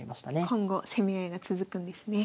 今後攻め合いが続くんですね。